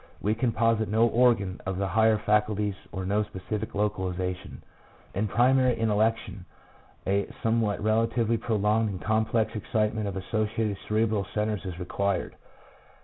We can posit no organ of the higher faculties or no specific localization. 1 In primary intellection, a somewhat relatively prolonged and complex excitement of associated cerebral centres is required.